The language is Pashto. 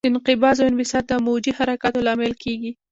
انقباض او انبساط د موجي حرکاتو لامل کېږي.